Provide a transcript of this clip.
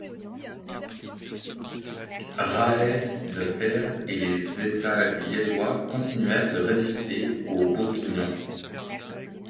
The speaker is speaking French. Raes de Heers et les États liégeois continuèrent de résister aux Bourguignons.